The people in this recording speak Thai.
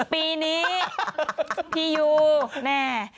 ปีนี้พี่ยูแน่